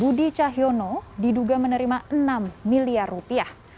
budi cahyono diduga menerima enam miliar rupiah